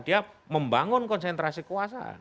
dia membangun konsentrasi kekuasaan